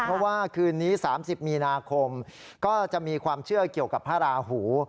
เพราะว่าคืนนี้๓๐มีนาคมก็จะมีความเชื่อเกี่ยวกับพระราหู